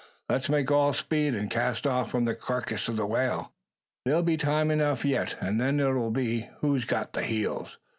Let's make all speed, and cast off from the karkiss o' the whale. There be time enough yet; and then it'll be, who's got the heels.